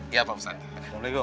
iya pak ustadz